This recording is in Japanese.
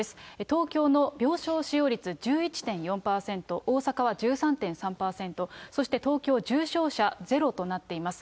東京の病床使用率１１．４％、大阪は１３．３％、そして東京、重症者ゼロとなっています。